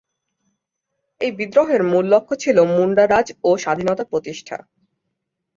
এই বিদ্রোহের মূল লক্ষ্য ছিল মুন্ডা রাজ ও স্বাধীনতা প্রতিষ্ঠা।